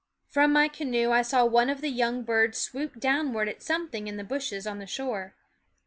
From my canoe I saw one of the young birds swoop downward at something in the bushes on the shore.